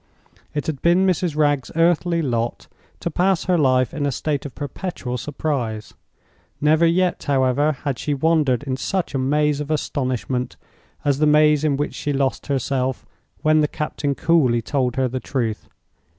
It had been Mrs. Wragge's earthly lot to pass her life in a state of perpetual surprise. Never yet, however, had she wandered in such a maze of astonishment as the maze in which she lost herself when the captain coolly told her the truth.